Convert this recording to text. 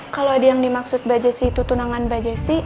kalo ada yang dimaksud mbak jessy itu tunangan mbak jessy